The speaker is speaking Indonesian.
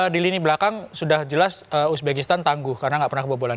di lini belakang sudah jelas uzbekistan tangguh karena nggak pernah kebobolan